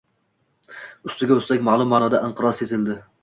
Ustiga ustak, ma`lum ma`noda inqiroz sezildi